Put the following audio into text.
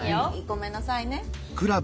ごめんなさいね。